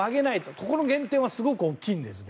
ここの減点はすごく大きいんですね。